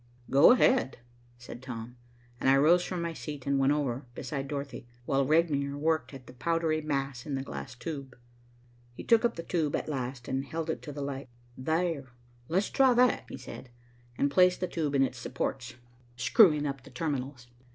"Go ahead," said Tom, and I rose from my seat and went over beside Dorothy, while Regnier worked at the powdery mass in the glass tube. He took up the tube at last and held it to the light. "There, let's try that," he said, and placed the tube in its supports, screwing up the terminals.